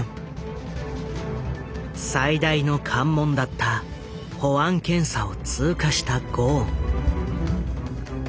最大の関門だった保安検査を通過したゴーン。